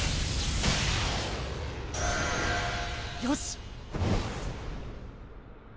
よし！